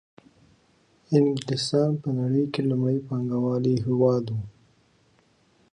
انګلستان په نړۍ کې لومړنی پانګوالي هېواد وو